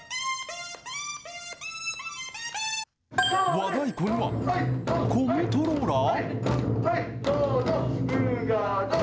和太鼓には、コントローラー？